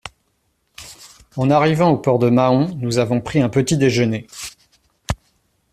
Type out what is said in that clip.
En arrivant au port de Mahon, nous avons pris un petit-déjeuner.